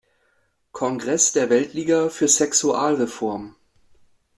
Kongress der Weltliga für Sexualreform.